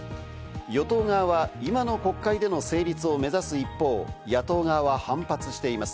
与党側は今の国会での成立を目指す一方、野党側は反発しています。